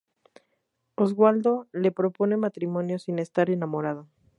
Oswaldo le propone matrimonio sin estar enamorado.